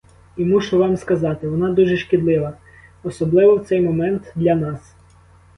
І мушу вам сказати: вона дуже шкідлива, особливо в цей момент для нас.